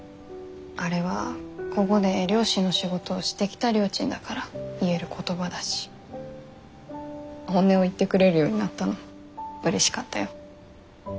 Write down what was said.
あれはここで漁師の仕事をしてきたりょーちんだから言える言葉だし本音を言ってくれるようになったのもうれしかったよ。